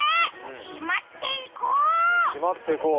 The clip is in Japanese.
締まっていこう！